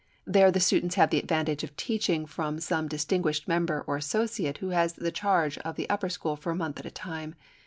There the students have the advantage of teaching from some distinguished member or associate who has charge of the upper school for a month at a time.